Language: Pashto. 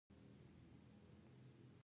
په بروکراسي کې دا ډول ګډوډي نه منل کېږي.